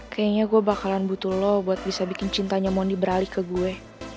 kayaknya gue bakalan butuh lo buat bisa bikin cintanya mondy beralih ke gue